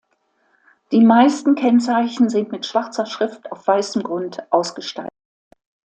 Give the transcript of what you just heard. Die meisten Kennzeichen sind mit schwarzer Schrift auf weißem Grund ausgestaltet.